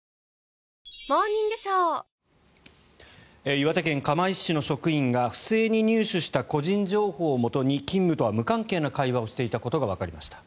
岩手県釜石市の職員が不正に入手した個人情報をもとに勤務とは無関係な会話をしていたことがわかりました。